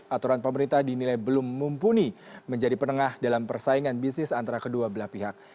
aturan pemerintah dinilai belum mumpuni menjadi penengah dalam persaingan bisnis antara kedua belah pihak